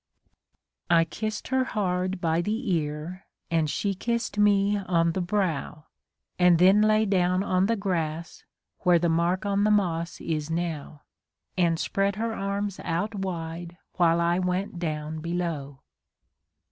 I kiss'd her hard by the ear, and she kiss'd me on the brow, And then lay down on the grass, where the mark on the moss is now. And spread her arms out wide while I went down below.